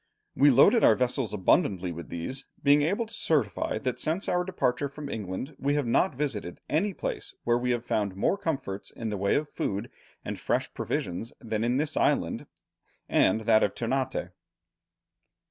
"We loaded our vessels abundantly with these, being able to certify that since our departure from England we have not visited any place where we have found more comforts in the way of food and fresh provisions than in this island and that of Ternate."